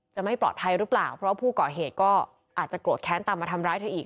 ไม่ปลอดภัยหรือเปล่าเพราะผู้ก่อเหตุก็อาจจะโกรธแค้นตามมาทำร้ายเธออีก